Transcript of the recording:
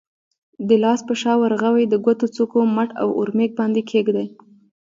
د لاس په شا، ورغوي، د ګوتو څوکو، مټ او اورمیږ باندې کېږدئ.